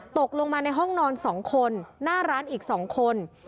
ตกลงมาในห้องนอน๒คนหน้าร้านอีก๒คน